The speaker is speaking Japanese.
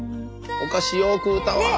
お菓子よう食うたわ。